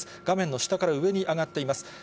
画面の下から上に上がっています。